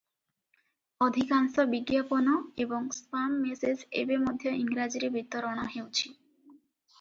ଅଧିକାଂଶ ବିଜ୍ଞାପନ ଏବଂ ସ୍ପାମ ମେସେଜ ଏବେ ମଧ୍ୟ ଇଂରାଜୀରେ ବିତରଣ ହେଉଛି ।